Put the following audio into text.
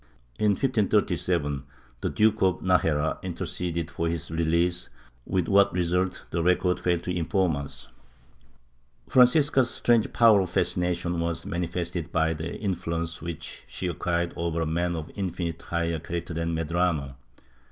In 1537 the Duke of Najera interceded for his release, with what result the records fail to inform us/ Francisca's strange powers of fascination were manifested by the influence which she acciuired over a man of infinitely higher character than Medrano.